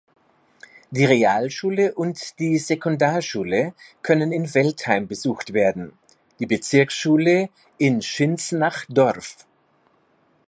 Die Realschule und die Sekundarschule können in Veltheim besucht werden, die Bezirksschule in Schinznach-Dorf.